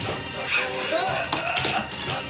あっ！